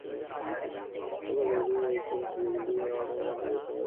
আবার কতকগুলি পরিবর্তন আছে, যেগুলি আমাদের মন বা বিচারশক্তির অতীত।